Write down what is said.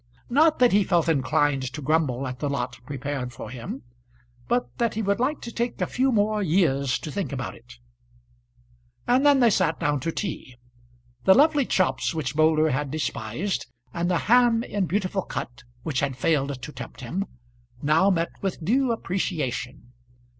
Not that he felt inclined to grumble at the lot prepared for him, but that he would like to take a few more years to think about it. And then they sat down to tea. The lovely chops which Moulder had despised, and the ham in beautiful cut which had failed to tempt him, now met with due appreciation.